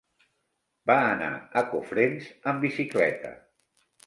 Va anar a Cofrents amb bicicleta.